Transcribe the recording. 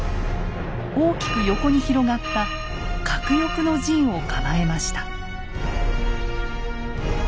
大きく横に広がった鶴翼の陣を構えました。